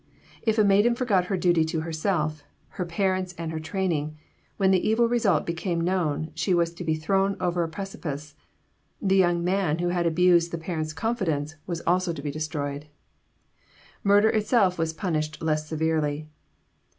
If a maiden forgot her duty to herself, her parents, and her training, when the evil result became known she was to be thrown over a precipice; the young man who had abused the parents' confidence was also to be destroyed. Murder itself was punished less severely.